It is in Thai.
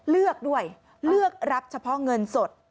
เลือกด้วยเลือกรับเฉพาะเงินสด